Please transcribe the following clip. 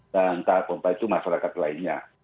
dan tahap empat itu masyarakat lainnya